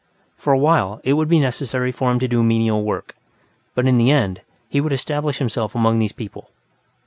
For a while, it would be necessary for him to do menial work, but in the end, he would establish himself among these people.